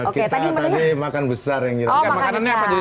kita tadi makan besar yang gini